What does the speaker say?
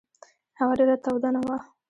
هوا ډېره توده نه وه.